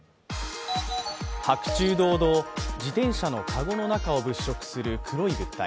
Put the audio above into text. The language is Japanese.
白昼堂々、自転車の籠の中を物色する黒い物体。